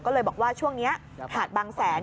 ก็เลยบอกว่าช่วงนี้หาดบางแสน